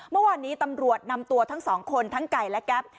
เมื่อวานนี้ตำรวจนำตัวทั้งสองคนทั้งไก่และแก๊ป